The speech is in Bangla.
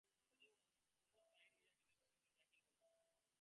কুমুদ বাহির হইয়া গেলে মতি দরজায় খিল বন্ধ করিল।